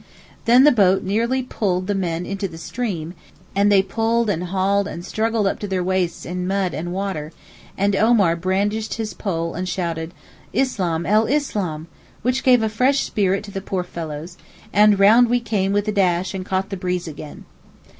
Then the boat nearly pulled the men into the stream, and they pulled and hauled and struggled up to their waists in mud and water, and Omar brandished his pole and shouted 'Islam el Islam!' which gave a fresh spirit to the poor fellows, and round we came with a dash and caught the breeze again.